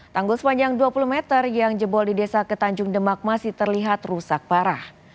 tanggul sepanjang dua puluh meter yang jebol di desa ketanjung demak masih terlihat rusak parah